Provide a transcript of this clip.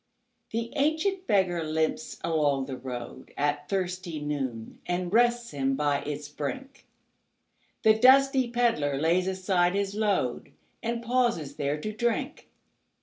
The ancient beggar limps along the roadAt thirsty noon, and rests him by its brink; The dusty pedlar lays aside his load, And pauses there to drink.